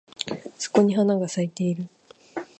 そこに花が咲いてる